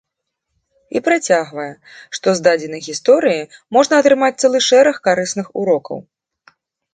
І працягвае, што з дадзенай гісторыі можна атрымаць цэлы шэраг карысных урокаў.